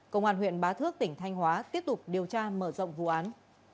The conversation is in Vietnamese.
công an huyện bá thước tỉnh thanh hóa tiếp tục điều tra mở rộng vụ án